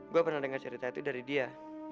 gue pernah dengar cerita itu dari dia